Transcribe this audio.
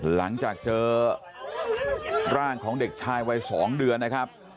หลังจากเจอร่างของเด็กชายวัย๒เดือนนะครับ